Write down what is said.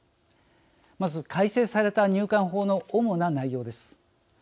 まず、改正された入管法の主な内容です。